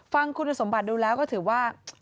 ฟังคุณสมบัติดูแล้วก็ถือว่า